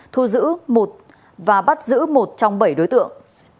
thu giữ và bắt giữ một trong bảy đối tượng